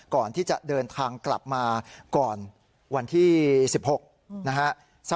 ก่อนที่จะเดินทางกลับมาก่อนวันที่๑๖นะฮะ